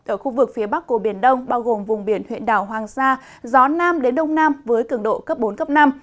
ở khu vực phía bắc của biển đông bao gồm vùng biển huyện đảo hoàng sa gió nam đến đông nam với cường độ cấp bốn năm